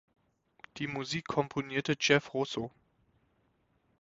Die Musik komponierte Jeff Russo.